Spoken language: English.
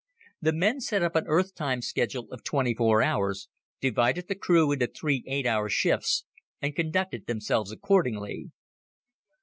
The men set up an Earth time schedule of twenty four hours, divided the crew into three eight hour shifts, and conducted themselves accordingly.